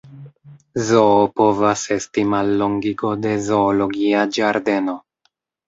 Zoo povas esti mallongigo de "zoologia ĝardeno".